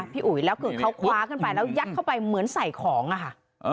อุ๋ยแล้วคือเขาคว้าขึ้นไปแล้วยัดเข้าไปเหมือนใส่ของอะค่ะ